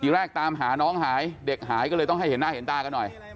แรกตามหาน้องหายเด็กหายก็เลยต้องให้เห็นหน้าเห็นตากันหน่อย